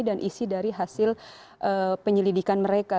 dan isi dari hasil penyelidikan mereka